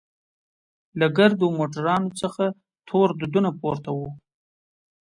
له ګردو موټرانوڅخه تور دودونه پورته وو.